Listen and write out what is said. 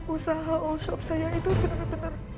usaha usop saya itu benar benar